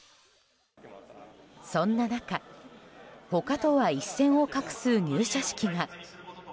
そんな中他とは一線を画す入社式が。